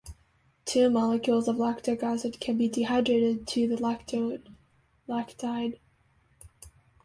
Two molecules of lactic acid can be dehydrated to the lactone lactide.